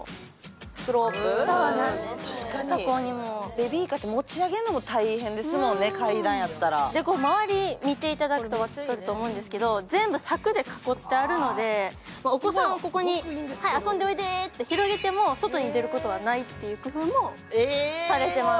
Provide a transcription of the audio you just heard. ベビーカーって持ち上げるのも大変ですもんね、階段やったら周りを見ていただくと分かると思うんですけど、全部柵で囲ってあるので、お子さんを遊んでおいでと広げても、外に出ることはないという。